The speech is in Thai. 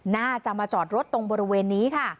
น่าจะมาจอดรถตรงบริเวณนี้ค่ะ